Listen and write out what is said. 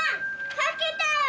書けたよ！